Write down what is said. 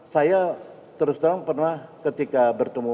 saya terus terang pernah ketika bertemu